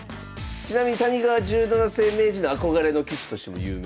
ちなみに谷川十七世名人の憧れの棋士としても有名です。